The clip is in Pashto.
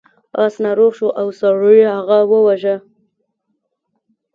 اس ناروغ شو او سړي هغه وواژه.